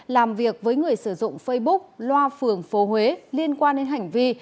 làm việc với người sử dụng facebook loa phường phố huế liên quan đến hành vi